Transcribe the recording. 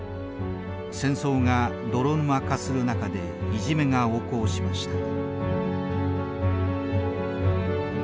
戦争が泥沼化する中でいじめが横行しました。